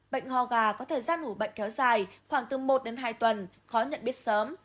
bệnh ho gà có thời gian ngủ bệnh kéo dài khoảng từ một đến hai tuần khó nhận biết sớm